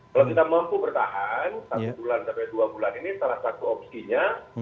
kalau kita mampu bertahan satu bulan sampai dua bulan ini salah satu opsinya